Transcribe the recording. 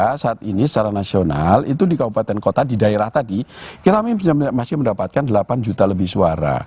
karena saat ini secara nasional itu di kabupaten kota di daerah tadi kita masih mendapatkan delapan juta lebih suara